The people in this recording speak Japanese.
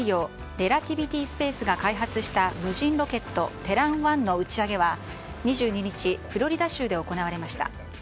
レラティビティー・スペースが開発した無人ロケット「テラン１」の打ち上げは２２日フロリダ州で行われました。